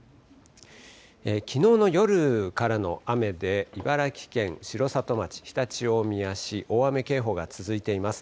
きのうの夜からの雨で、茨城県城里町、常陸大宮市、大雨警報が続いています。